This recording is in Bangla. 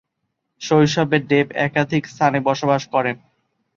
শৈশবে ডেপ একাধিক স্থানে বসবাস করেন।